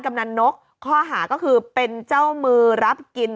กำนันนกข้อหาก็คือเป็นเจ้ามือรับกิน